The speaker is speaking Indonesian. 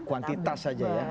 kuantitas saja ya